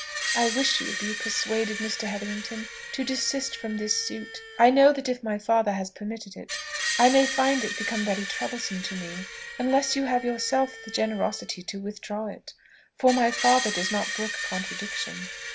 "I wish you would be persuaded, Mr. Hetherington, to desist from this suit. I know that if my father has permitted it, I may find it become very troublesome to me, unless you have yourself the generosity to withdraw it; for my father does not brook contradiction."